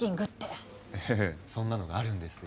ええそんなのがあるんですよ。